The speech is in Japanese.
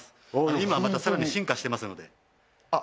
今はまたさらに進化してますのであっ